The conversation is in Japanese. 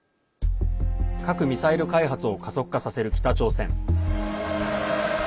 核・ミサイル開発を加速化させる北朝鮮。